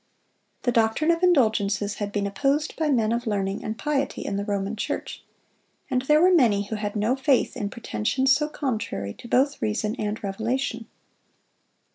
(174) The doctrine of indulgences had been opposed by men of learning and piety in the Roman Church, and there were many who had no faith in pretensions so contrary to both reason and revelation.